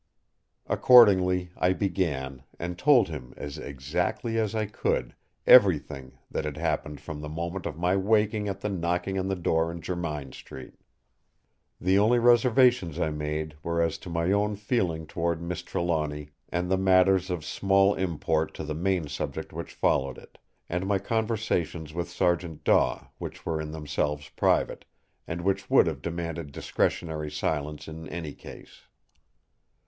Accordingly I began, and told him, as exactly as I could, everything that had happened from the moment of my waking at the knocking on the door in Jermyn Street. The only reservations I made were as to my own feeling toward Miss Trelawny and the matters of small import to the main subject which followed it; and my conversations with Sergeant Daw, which were in themselves private, and which would have demanded discretionary silence in any case.